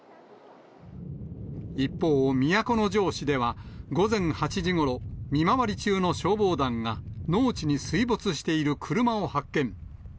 一方、都城市では午前８時ごろ、見回り中の消防団が、農地に水没している車を発見。